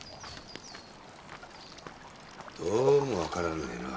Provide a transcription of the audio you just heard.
どうも分からねえな。